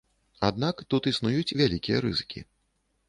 Аднак тут існуюць вялікія рызыкі.